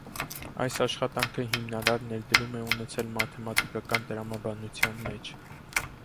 Այս աշխատանքը հիմնարար ներդրում է ունեցել մաթեմատիկական տրամաբանության մեջ։